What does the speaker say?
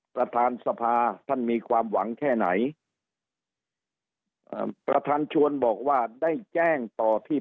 ประธานสภาท่านมีความหวังแค่ไหนประธานชวนบอกว่าได้แจ้งต่อที่